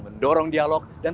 kepala kepala kepala